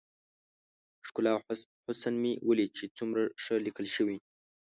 ښکلا او حسن مې وليد چې څومره ښه ليکل شوي.